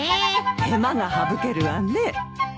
手間が省けるわね。